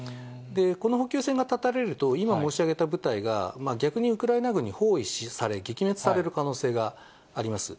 この補給線が断たれると、今申し上げた部隊が、逆にウクライナ軍に包囲され、撃滅される可能性があります。